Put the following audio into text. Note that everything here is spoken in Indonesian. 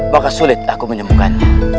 maka sulit aku menemukan